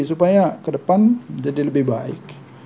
supaya kedepan jadi lebih baik